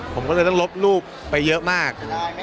ผมก็เลยต้องลบรูปไปเยอะมาก